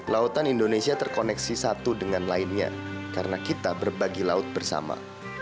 lautan indonesia terkoneksi satu dengan lainnya karena kita berbagi laut bersama